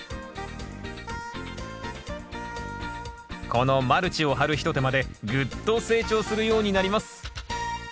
このマルチを張る一手間でぐっと成長するようになります。